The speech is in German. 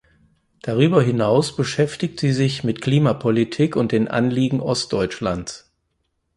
Darüber hinaus beschäftigt sie sich mit Klimapolitik und den Anliegen Ostdeutschlands.